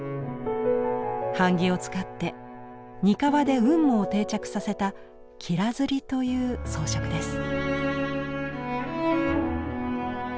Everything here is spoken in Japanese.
版木を使って膠で雲母を定着させた雲母刷りという装飾です。